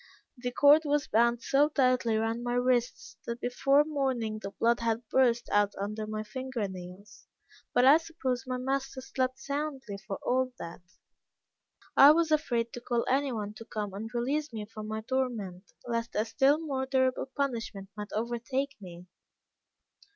The cord was bound so tightly round my wrists, that before morning the blood had burst out under my finger nails; but I suppose my master slept soundly for all that. I was afraid to call any one to come and release me from my torment, lest a still more terrible punishment might overtake me.